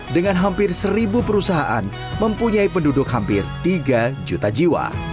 dengan hampir seribu perusahaan mempunyai penduduk hampir tiga juta jiwa